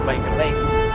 baik nih mas